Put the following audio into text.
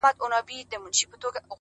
وېريږي نه خو انگازه يې بله ـ